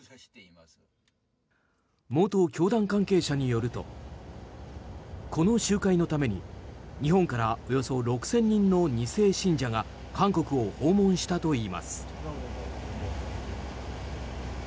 元教団関係者によるとこの集会のために日本からおよそ６０００人の２世信者が韓国を訪問したといいます。